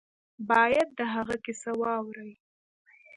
باید د هغه کیسه واوري.